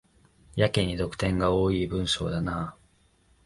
やけに読点が多い文章だな